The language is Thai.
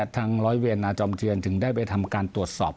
ร้อยเวรนาจอมเทียนถึงได้ไปทำการตรวจสอบ